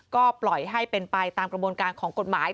ก็ปล่อยให้เป็นไปตามกระบวนการของกฎหมาย